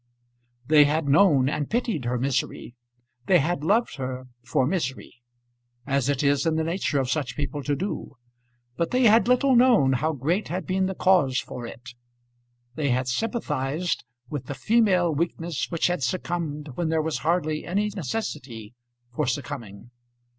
They had known and pitied her misery; they had loved her for misery as it is in the nature of such people to do; but they had little known how great had been the cause for it. They had sympathised with the female weakness which had succumbed when there was hardly any necessity for succumbing.